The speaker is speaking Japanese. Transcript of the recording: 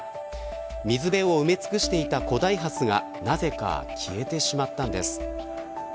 水辺を埋め尽くしていた古代ハスがなぜか消えてしまったんです。